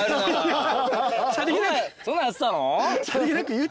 そんなんやってたの？